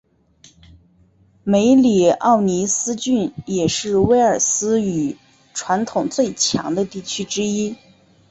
梅里奥尼斯郡也是威尔斯语传统最强的地区之一。